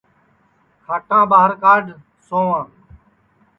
کھٹاں ٻار کھڈھ سؤاں